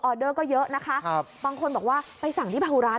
ออเดอร์ก็เยอะนะคะบางคนบอกว่าไปสั่งที่ภาครัฐ